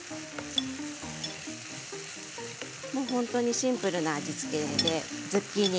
シンプルな味付けでズッキーニ